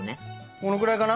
このぐらいかな？